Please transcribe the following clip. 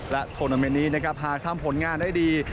และธนเมณนี้นะครับหากทำผลงานได้ดี